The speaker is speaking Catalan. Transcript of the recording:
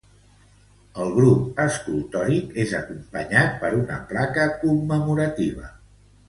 El grup escultòric és acompanyat per una placa commemorativa.